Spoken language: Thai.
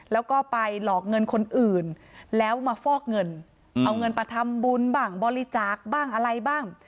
แล้วก็ไปหลอกเงินคนอื่นแล้วมาฟอกเงินเอาเงินมาทำบุญบ้างบริจาคบ้างอะไรบ้าง